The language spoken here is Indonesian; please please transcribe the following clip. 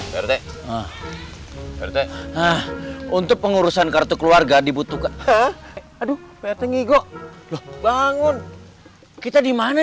perte perte untuk pengurusan kartu keluarga dibutuhkan aduh pertengah bangun kita di mana